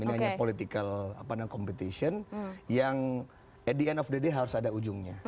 ini hanya political competition yang at the end of the day harus ada ujungnya